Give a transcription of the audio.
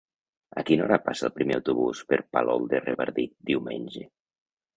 A quina hora passa el primer autobús per Palol de Revardit diumenge?